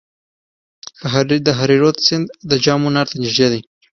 د هریرود سیند د جام منار ته نږدې دی